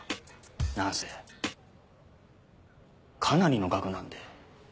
何せかなりの額なんで。